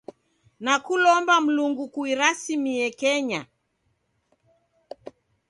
Nakulomba Mlungu kuirasimie Kenya.